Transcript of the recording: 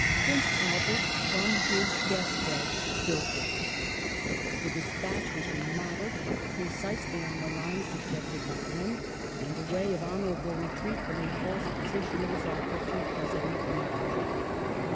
Prince Albert, from his death bed, built it. The despatch was remodelled, precisely on the lines suggested by him,^ and a way of honourable retreat from a false position was offered to President Lincoln.